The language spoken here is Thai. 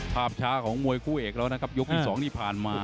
ภาพช้าของมวยคู่เอกแล้วนะครับยกที่๒ที่ผ่านมา